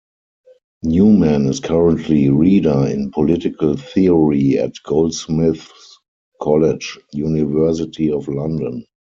Newman is currently Reader in Political Theory at Goldsmiths College, University of London.